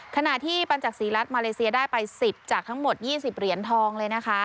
ขณะที่ปัญจักษีรัฐมาเลเซียได้ไป๑๐จากทั้งหมด๒๐เหรียญทองเลยนะคะ